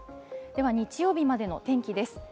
日曜日までの天気です。